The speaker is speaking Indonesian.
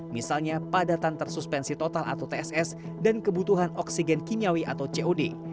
misalnya padatan tersuspensi total atau tss dan kebutuhan oksigen kimiawi atau cod